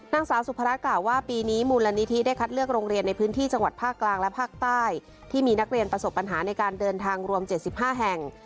นางสาวสุภาระกล่าวว่าปีนี้มูลนิธิได้คัดเลือกโรงเรียนในพื้นที่จังหวัดภาคกลางและภาคใต้ที่มีนักเรียนประสบปัญหาในการเดินทางรวม๗๕แห่ง